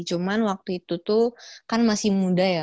cuman waktu itu tuh kan masih muda ya